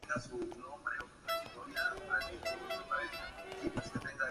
Ambos fueron desarrollados en China.